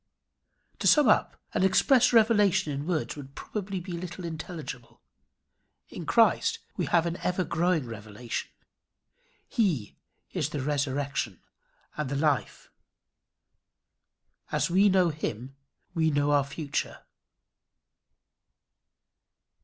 To sum up: An express revelation in words would probably be little intelligible. In Christ we have an ever growing revelation. He is the resurrection and the life. As we know him we know our future.